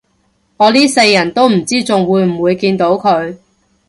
我呢世人都唔知仲會唔會見到佢